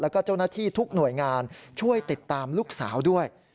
แล้วก็เจ้าหน้าที่ทุกหน่วยงานช่วยติดตามลูกสาวด้วย